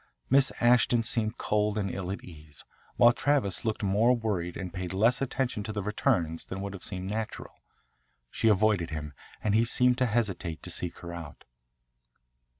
Miss Ashton seemed cold and ill at ease, while Travis looked more worried and paid less attention to the returns than would have seemed natural. She avoided him and he seemed to hesitate to seek her out.